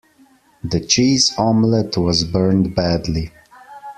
The cheese omelette was burned badly.